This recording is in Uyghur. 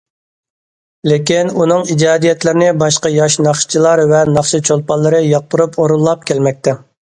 لېكىن، ئۇنىڭ ئىجادىيەتلىرىنى باشقا ياش ناخشىچىلار ۋە ناخشا چولپانلىرى ياقتۇرۇپ ئورۇنلاپ كەلمەكتە.